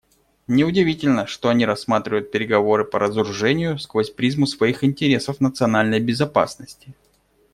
Неудивительно, что они рассматривают переговоры по разоружению сквозь призму своих интересов национальной безопасности.